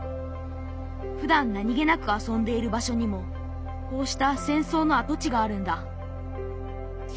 ふだん何気なく遊んでいる場所にもこうした戦争の跡地があるんだ。